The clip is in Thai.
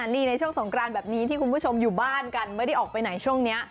นี่ในช่วงสงกรานแบบนี้ที่คุณผู้ชมอยู่บ้านกันไม่ได้ออกไปไหนช่วงนี้